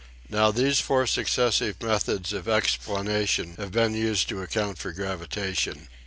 Now these four successive methods of explanation have been used to account for gravitation.